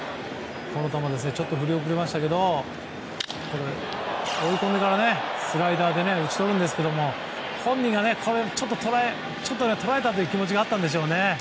ちょっと振り遅れましたけど追い込んでからスライダーで打ち取るんですけど本人は捉えたという気持ちがあったんでしょうね。